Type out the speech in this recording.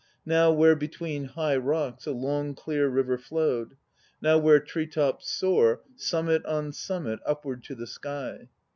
Now, where between high rocks A long, clear river flowed; Now where tree tops soar Summit on summit upward to the sky.